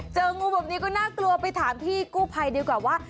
เจองูแบบนี้ก็น่ากลัวไปถามพี่กู้ภัยดีกว่าว่า